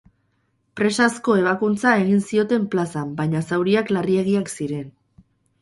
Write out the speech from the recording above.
Presazko ebakuntza egin zioten plazan baina zauriak larriegiak ziren.